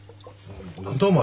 何だお前